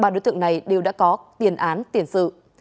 ba đối tượng này đều đã có tiền án tiền sự